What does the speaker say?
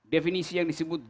definisi yang disebut